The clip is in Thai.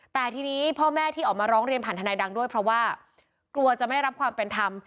แต่ทีนี้พ่อแม่ที่ออกมาร้องเรียนผ่านทนายดังด้วยเพราะว่ากลัวจะไม่ได้รับความเป็นธรรม